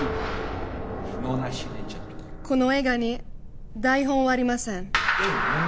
この映画に台本はありません。